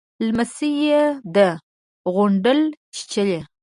_لمسۍ يې ده، غونډل چيچلې.